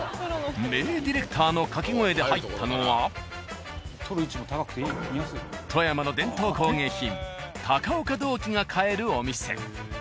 名ディレクターの掛け声で入ったのは富山の伝統工芸品高岡銅器が買えるお店。